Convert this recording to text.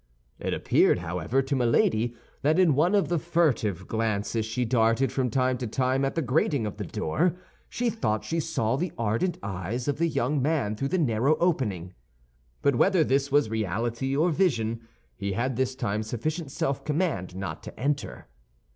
It appeared however to Milady that in one of the furtive glances she darted from time to time at the grating of the door she thought she saw the ardent eyes of the young man through the narrow opening. But whether this was reality or vision, he had this time sufficient self command not to enter.